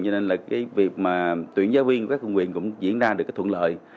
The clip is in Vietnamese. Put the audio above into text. cho nên việc tuyển giáo viên của các quận nguyện cũng diễn ra được thuận lợi